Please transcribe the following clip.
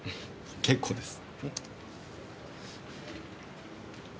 結構です。